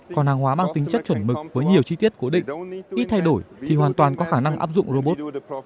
còn hàng hóa mang tính chất chuẩn mực với nhiều chi tiết cố định ít thay đổi thì hoàn toàn có khả năng áp dụng robot